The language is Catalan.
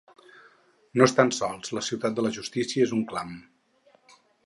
No estan sols, la ciutat de la justícia és un clam.